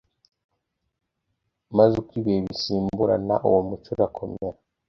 maze uko ibihe bisimburana, uwo muco urakomera,